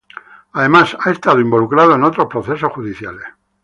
Además, ha estado involucrado en otros procesos judiciales.